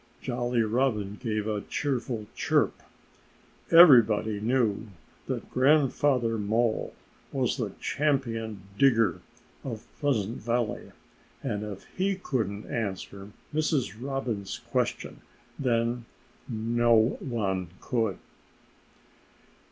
Jolly Robin gave a cheerful chirp. Everybody knew that Grandfather Mole was the champion digger of Pleasant Valley. And if he couldn't answer Mrs. Robin's question, then no one could.